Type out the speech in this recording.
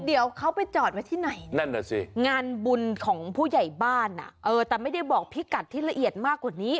เดี๋ยวเขาไปจอดไว้ที่ไหนงานบุญของผู้ใหญ่บ้านแต่ไม่ได้บอกพิกัดที่ละเอียดมากกว่านี้